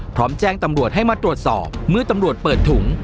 พร้อมแจ้งตำรวจให้มาตรวจสอบเมื่อตำรวจเปิดถุง